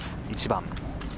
１番。